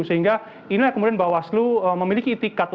sehingga inilah kemudian bawaslu memiliki itikannya